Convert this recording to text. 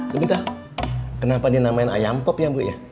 sebentar kenapa dinamain ayam pop ya bu